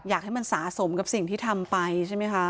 อยากให้มันสะสมกับสิ่งที่ทำไปใช่ไหมคะ